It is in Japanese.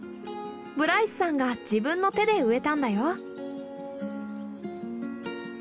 ブライスさんが自分の手で植えたんだよ。